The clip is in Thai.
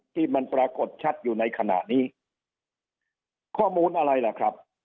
ที่มันปรากฏชัดอยู่ในขณะนี้ข้อมูลอะไรล่ะครับ